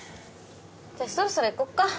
じゃあそろそろ行こっか。